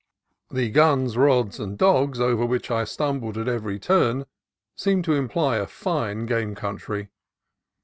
The guns, rods, and dogs over which I stumbled at every turn seemed to imply a fine game country.